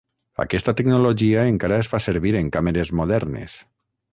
Aquesta tecnologia encara es fa servir en càmeres modernes.